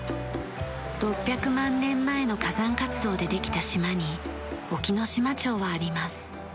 ６００万年前の火山活動でできた島に隠岐の島町はあります。